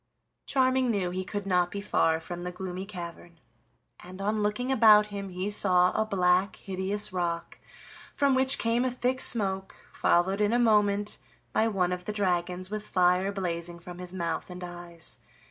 Charming knew he could not be far from the Gloomy Cavern, and on looking about him he saw a black hideous rock from which came a thick smoke, followed in a moment by one of the dragons with fire blazing from his mouth and eyes.